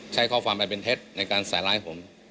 ใช้ข้อฟังไปเป็นเท็จในการใส่ลายผม